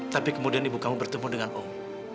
tapi kemudian ibu kamu bertemu dengan allah